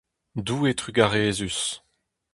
Doue trugarezus !